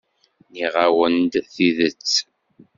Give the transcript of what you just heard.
Nniɣ-awen-d tidet.